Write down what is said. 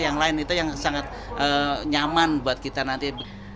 yang lain itu yang sangat nyaman buat kita nanti